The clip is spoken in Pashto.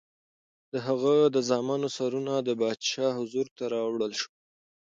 د هغه د زامنو سرونه د پادشاه حضور ته راوړل شول.